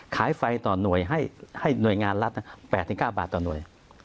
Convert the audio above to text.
ไฟต่อหน่วยให้หน่วยงานรัฐ๘๙บาทต่อหน่วย